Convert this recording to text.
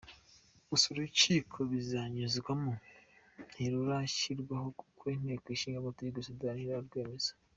Gusa urukiko bizanyuzwamo ntirurashyirwaho kuko Inteko Ishinga Amategeko ya Sudani y’Epfo itararwemeza.